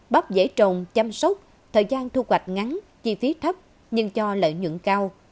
bắp dễ trồng chăm sóc thời gian thu hoạch ngắn chi phí thấp nhưng cho lợi nhuận cao